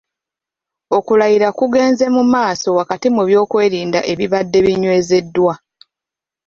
Okulayira kugenze mu maaso wakati mu by’okwerinda ebibadde binywezeddwa.